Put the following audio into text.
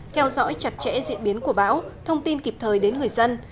theo dõi chặt chẽ diễn biến của bão thông tin kịp thời đến người dân